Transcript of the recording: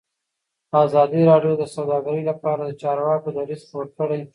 ازادي راډیو د سوداګري لپاره د چارواکو دریځ خپور کړی.